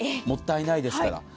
もったいないですから。